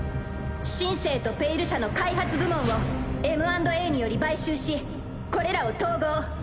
「シン・セー」と「ペイル社」の開発部門をＭ＆Ａにより買収しこれらを統合。